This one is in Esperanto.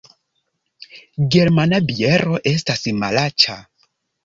Germana biero estas malaĉa